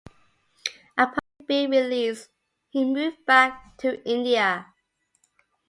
Upon being released, he moved back to India.